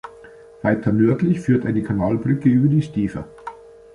Weiter nördlich führt eine Kanalbrücke über die Stever.